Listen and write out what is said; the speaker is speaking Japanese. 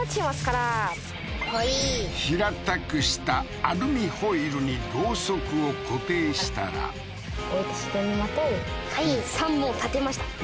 平たくしたアルミホイルにろうそくを固定したらはい３本立てました